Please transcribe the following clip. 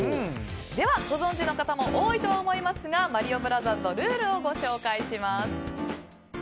では、ご存じの方も多いと思いますが「マリオブラザーズ」のルールをご紹介します。